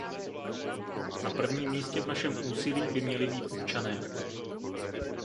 Na prvním místě v našem úsilí by měli být občané.